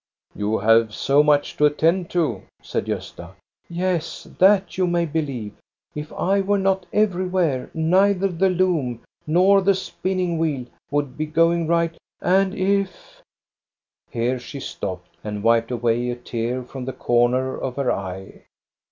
" You have so much to attend to," said Gosta. " Yes, that you may believe. If I were not every where, neither the loom nor the spinning wheel would be going right. And if —" Here she stopped and wiped away a tear from the corner of her eye.